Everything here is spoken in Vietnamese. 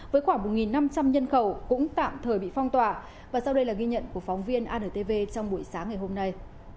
với khoảng một năm trăm linh nhân khẩu cũng tạm thời bị phong tỏa và sau đây là ghi nhận của phóng viên antv trong buổi sáng ngày hôm nay